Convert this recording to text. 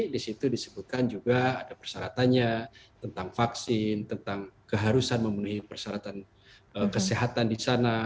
di situ disebutkan juga ada persyaratannya tentang vaksin tentang keharusan memenuhi persyaratan kesehatan di sana